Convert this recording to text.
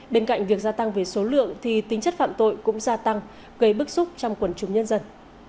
bên cạnh việc gia tăng về số lượng thì tính chất phạm tội cũng gia tăng gây bức xúc trong quần chúng nhân dân